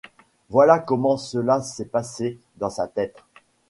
Voilà comment cela s’est passé dans sa tête.